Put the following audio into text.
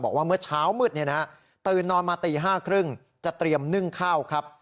บอกว่าเมื่อเช้ามืดตื่นนอนมาตี๕๓๐จะเตรียมนึ่งข้าวครับ